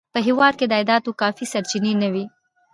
په هېواد کې د عایداتو کافي سرچینې نه وې.